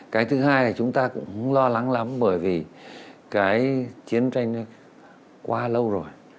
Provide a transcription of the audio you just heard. cái thứ hai là chúng ta cũng lo lắng lắm bởi vì cái chiến tranh quá lâu rồi